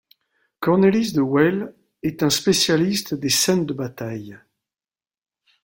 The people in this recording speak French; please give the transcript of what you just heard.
Cornelis de Wael est un spécialiste des scènes de bataille.